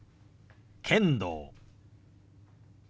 「剣道」。